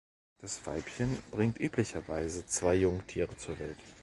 Das Weibchen bringt üblicherweise zwei Jungtiere zur Welt.